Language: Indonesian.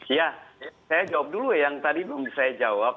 iya saya jawab dulu yang tadi belum saya jawab